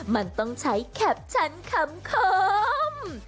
มันต้องใช้แคปชั่นคำคม